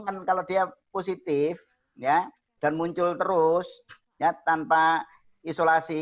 kan kalau dia positif ya dan muncul terus ya tanpa isolasi